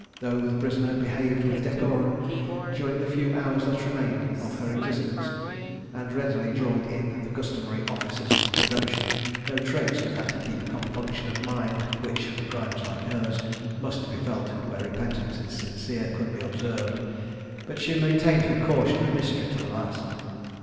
Though the prisoner behaved with decorum, during the few hours that remained of her existence, and readily joined in the customary offices of devotion, no traits of that deep compunction of mind, which, for crimes like hers, must be felt where repentance is sincere, could be observed; but she maintained her caution and mystery to the last.